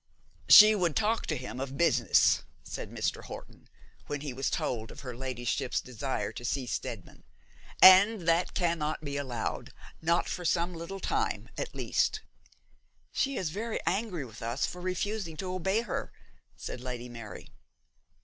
'She would talk to him of business,' said Mr. Horton, when he was told of her ladyship's desire to see Steadman, 'and that cannot be allowed, not for some little time at least.' 'She is very angry with us for refusing to obey her,' said Lady Mary.